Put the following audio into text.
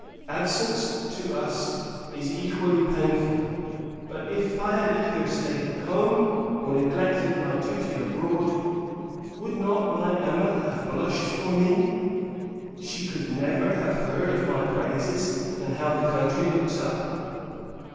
Absence, to us, is equally painful: but, if I had either stayed at home, or neglected my duty abroad, would not my Emma have blushed for me? She could never have heard of my praises, and how the country looks up.